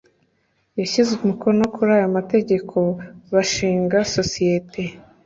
yashyize umukono kuri aya mategeko bashinga sosiyete